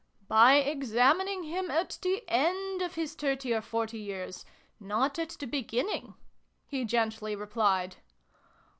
By examining him at the end of his thirty or forty years not at the beginning," he gently replied.